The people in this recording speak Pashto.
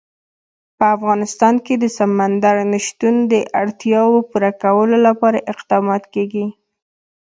په افغانستان کې د سمندر نه شتون د اړتیاوو پوره کولو لپاره اقدامات کېږي.